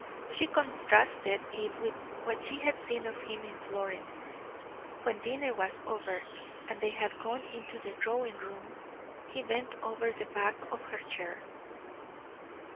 She contrasted it with what she had seen of him in Florence. When dinner was over, and they had gone into the drawing room, he bent over the back of her chair.